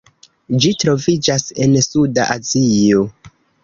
Ĝi troviĝas en Suda Azio.